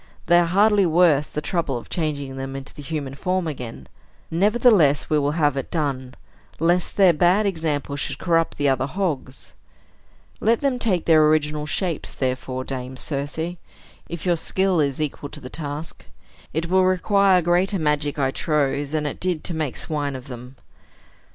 They are hardly worth the trouble of changing them into the human form again. Nevertheless, we will have it done, lest their bad example should corrupt the other hogs. Let them take their original shapes, therefore, Dame Circe, if your skill is equal to the task. It will require greater magic, I trow, than it did to make swine of them."